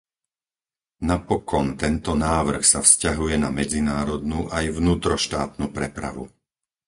Napokon tento návrh sa vzťahuje na medzinárodnú aj vnútroštátnu prepravu.